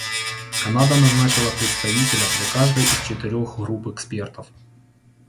Канада назначила представителя для каждой из четырех групп экспертов.